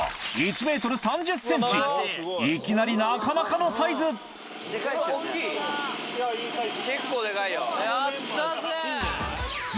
いきなりなかなかのサイズやったぜ！